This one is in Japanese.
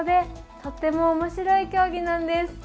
とってもおもしろい競技なんです。